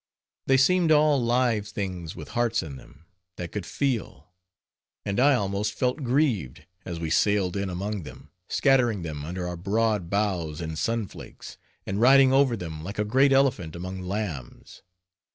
They seemed all live things with hearts in them, that could feel; and I almost felt grieved, as we sailed in among them, scattering them under our broad bows in sun flakes, and riding over them like a great elephant among lambs.